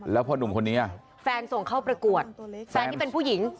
แล้วพอหนุ่มคนนี้แฟนส่งเข้าประกวดแฟนที่เป็นผู้หญิง